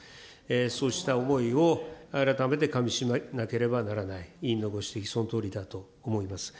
そうした思いを改めてかみしめなければならない、委員のご指摘、そのとおりだと思います。